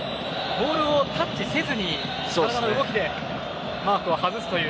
ボールをタッチせずに体の動きでマークを外すという。